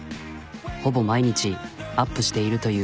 ほぼ毎日アップしているという。